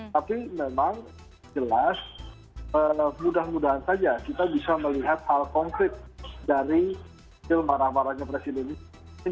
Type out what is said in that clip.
tapi memang jelas mudah mudahan saja kita bisa melihat hal konkret dari kecil marah marahnya presiden ini